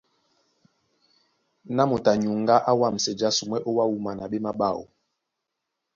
Na moto a nyuŋgá á wámsɛ jásumwɛ́ ó wá wúma na ɓémaɓáọ.